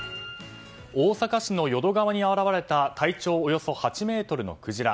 大阪市の淀川に現れた体長およそ８ｍのクジラ。